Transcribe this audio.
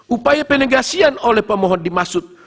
upaya penegasian oleh pemohon dimaksud